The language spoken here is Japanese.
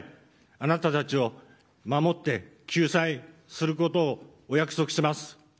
あなたたちを守って救済することをお約束します。